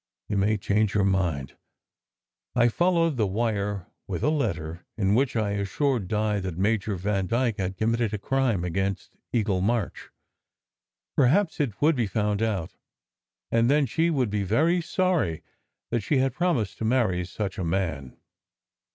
You may change your mind." I folio wed the wire with a letter, in which I assured Di that Major Vandyke had committed a crime against Eagle March. Perhaps it would be found out, and then she would be very sorry that she had promised to marry such a man.